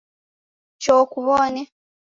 Choo kuwone